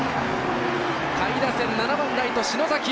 下位打線、７番ライト篠崎。